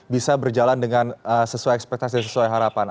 bisa berjalan dengan sesuai ekspektasi sesuai harapan